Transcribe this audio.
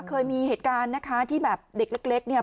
เคยมีเหตุการณ์นะคะที่แบบเด็กเล็กเนี่ย